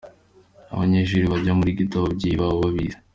Abanyeshuri bajya muri ‘geto’ ababyeyi babo babizi.